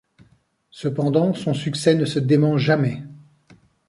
Cependant, son succès ne se dément jamais.